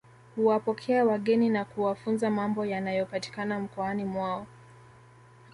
Huwapokea wageni na kuwafunza mambo yanayopatikana mkoani mwao